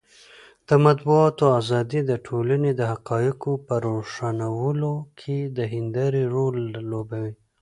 د مطبوعاتو ازادي د ټولنې د حقایقو په روښانولو کې د هندارې رول لوبوي.